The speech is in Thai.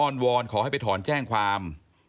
วอนขอให้ไปถอนแจ้งความ